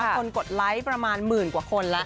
กดไลค์ประมาณหมื่นกว่าคนแล้ว